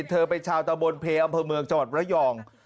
เธอเป็นชาวตะบนเพอำเภอเมืองจังหวัดระยอง